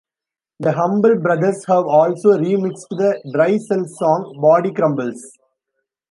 The Humble Brothers have also remixed the Dry Cell song Body Crumbles.